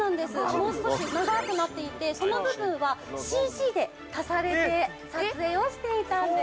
もう少し長くなっていて、その部分はＣＧで足されて撮影をしていたんです。